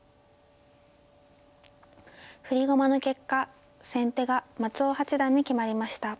振り駒の結果先手が松尾八段に決まりました。